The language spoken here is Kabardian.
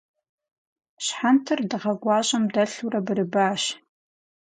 Щхьэнтэр дыгъэ гуащӏэм дэлъурэ бырыбащ.